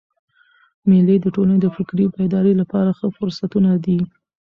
مېلې د ټولني د فکري بیدارۍ له پاره ښه فرصتونه دي.